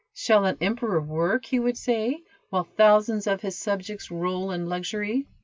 "Shall an emperor work," he would say, "while thousands of his subjects roll in luxury?"